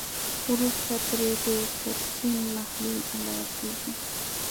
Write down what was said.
وروسته پرې د فوکسین محلول علاوه کیږي.